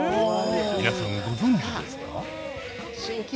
皆さんご存じですか？